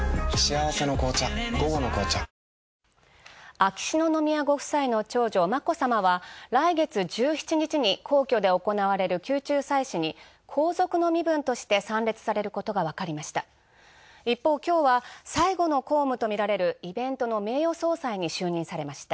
秋篠宮ご夫妻の長女、眞子さまは来月１７日に皇居で行われる宮中祭祀に皇族の身分として参列されることがわかりました一方今日は最後の公務とみられるイベントの名誉総裁に就任されました。